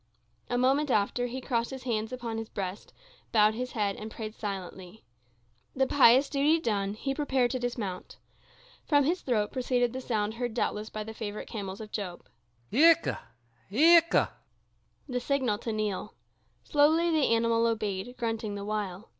A moment after, he crossed his hands upon his breast, bowed his head, and prayed silently. The pious duty done, he prepared to dismount. From his throat proceeded the sound heard doubtless by the favorite camels of Job—Ikh! ikh!—the signal to kneel. Slowly the animal obeyed, grunting the while.